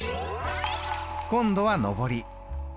今度は上り。